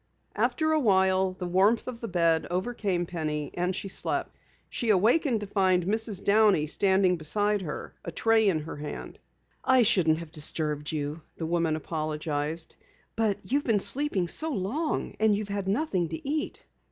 After awhile the warmth of the bed overcame Penny and she slept. She awakened to find Mrs. Downey standing beside her, a tray in her hand. "I shouldn't have disturbed you," the woman apologized, "but you've been sleeping so long. And you've had nothing to eat."